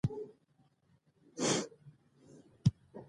وخت د سم پلان غوښتنه کوي